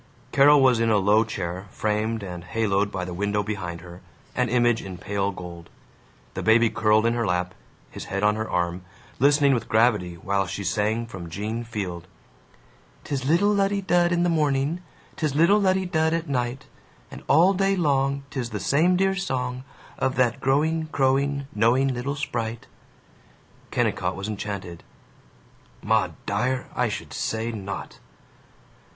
Carol was in a low chair, framed and haloed by the window behind her, an image in pale gold. The baby curled in her lap, his head on her arm, listening with gravity while she sang from Gene Field: 'Tis little Luddy Dud in the morning 'Tis little Luddy Dud at night: And all day long 'Tis the same dear song Of that growing, crowing, knowing little sprite. Kennicott was enchanted. "Maud Dyer? I should say not!"